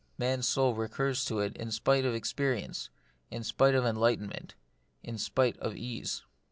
Man's soul recurs to it in spite of experience, in spite of enlightenment, in spite of ease.